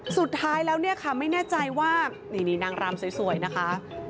สุดท้ายแล้วนี่นางรำสวยนะคะ